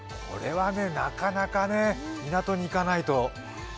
これはなかなか、港に行かないと。